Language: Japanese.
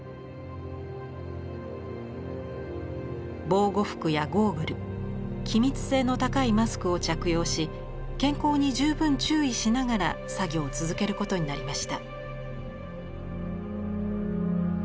防護服やゴーグル気密性の高いマスクを着用し健康に十分注意しながら作業を続けることになりました。